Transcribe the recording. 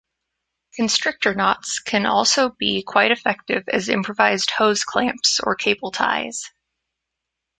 Constrictor knots can also be quite effective as improvised hose clamps or cable ties.